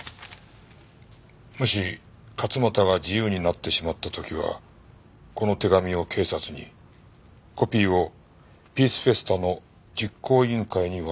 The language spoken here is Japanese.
「もし勝又が自由になってしまった時はこの手紙を警察にコピーをピースフェスタの実行委員会に渡して下さい」